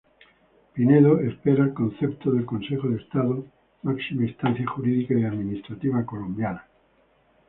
Pinedo espera el concepto del Consejo de Estado, máxima instancia jurídica y administrativa colombiana.